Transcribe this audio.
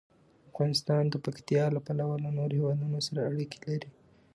افغانستان د پکتیا له پلوه له نورو هېوادونو سره اړیکې لري.